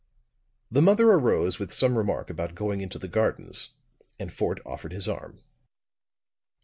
The mother arose with some remark about going into the gardens, and Fort offered his arm.